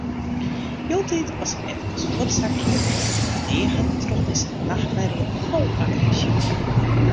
Hieltyd as ik eefkes fuortsakje, wurd ik pleage troch dizze nachtmerje fol agresje.